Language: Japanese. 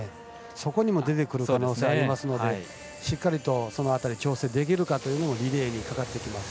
そこにも出てくる可能性がありますのでしっかりとその辺り調整できるかというのもリレーにかかってきます。